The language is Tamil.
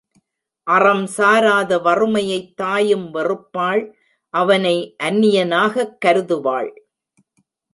அறம் சாராத வறுமையைத் தாயும் வெறுப்பாள் அவனை அந்நியனாகக் கருதுவாள்.